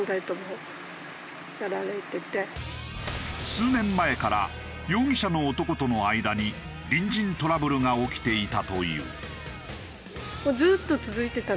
数年前から容疑者の男との間に隣人トラブルが起きていたという。